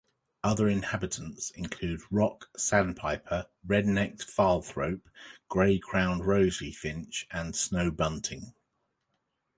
Other inhabitants include rock sandpiper, red-necked phalarope, gray-crowned rosy finch and snow bunting.